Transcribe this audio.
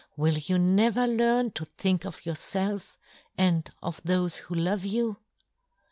33 " will you never learn to think of " yourfelf, and of thofe who love " you